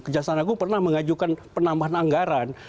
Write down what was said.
kejaksaan agung pernah mengajukan penambahan anggaran